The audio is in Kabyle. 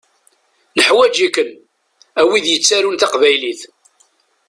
Neḥwaǧ-iken, a wid yettarun taqbaylit.